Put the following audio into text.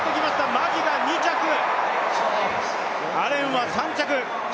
マギが２着、アレンは３着。